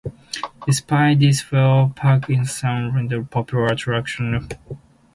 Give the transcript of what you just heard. Despite this, Wembley Park itself remained a popular attraction and flourished.